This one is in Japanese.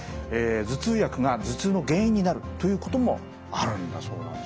頭痛薬が頭痛の原因になるということもあるんだそうなんですね。